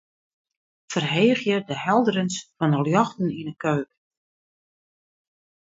Ferheegje de helderens fan de ljochten yn de keuken.